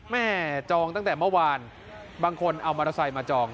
จองตั้งแต่เมื่อวานบางคนเอามอเตอร์ไซค์มาจอง